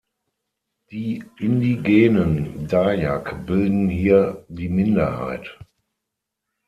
Die indigenen Dayak bilden hier die Minderheit.